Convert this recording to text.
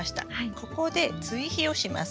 ここで追肥をします。